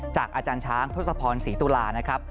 อาจารย์ช้างทศพรศรีตุลานะครับ